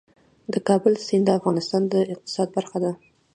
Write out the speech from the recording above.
د کابل سیند د افغانستان د اقتصاد برخه ده.